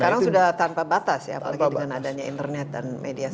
sekarang sudah tanpa batas ya apalagi dengan adanya internet dan media sosial